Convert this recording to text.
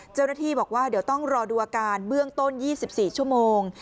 เจ้าหน้าที่บอกว่าเดี๋ยวต้องรอดูอาการเบื้องต้น๒๔ชั่วโมง